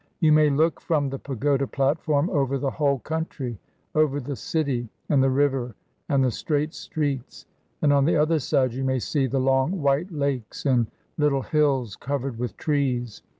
You may look from the pagoda platform over the whole country, over the city and the river and the straight streets; and on the other side you may see the long white lakes and little hills covered with trees.